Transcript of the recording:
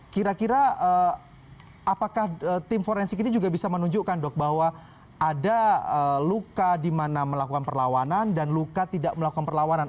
kira kira apakah tim forensik ini juga bisa menunjukkan dok bahwa ada luka di mana melakukan perlawanan dan luka tidak melakukan perlawanan